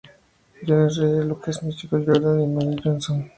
Jones, Jerry Lucas, Michael Jordan y Magic Johnson.